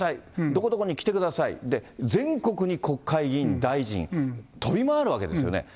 どこどこに来てください、で、全国に国会議員、大臣、飛び回るわけですよね。